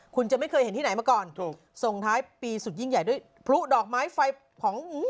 คุณจะไม่เคยเห็นที่ไหนมาก่อนถูกส่งท้ายปีสุดยิ่งใหญ่ด้วยพลุดอกไม้ไฟผอง